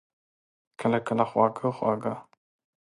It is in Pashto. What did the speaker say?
کله، کله خواږه، خواږه